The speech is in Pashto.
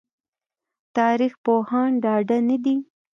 تاريخ پوهان ډاډه نه دي